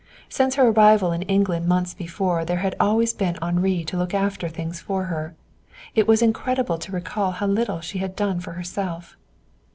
Since her arrival in England months before there had always been Henri to look after things for her. It was incredible to recall how little she had done for herself.